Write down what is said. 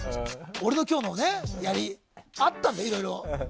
俺の、今日のやりあったんだよ、いろいろ。